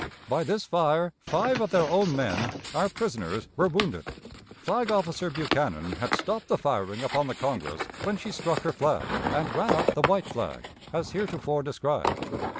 By this fire five of their own men, our prisoners, were wounded. Flag officer Buchanan had stopped the firing upon the Congress when she struck her flag, and ran up the white flag, as heretofore described.